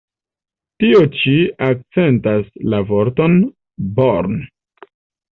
Tio ĉi akcentas la vorton "born".